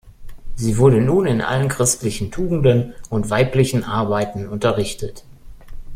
Sie wurde nun in allen christlichen Tugenden und weiblichen Arbeiten unterrichtet.